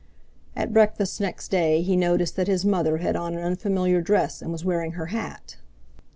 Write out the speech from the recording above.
At breakfast next day he noticed that his mother had on an unfamiliar dress and was wearing her hat.